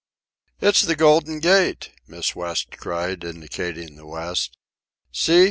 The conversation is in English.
"It's the Golden Gate!" Miss West cried, indicating the west. "See!